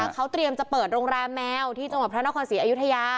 เขาเตรียมจะเปิดโรงแรมแมวที่จังหวัดพระนครศรีอยุธยา